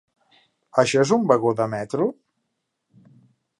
Això és un vagó de metro?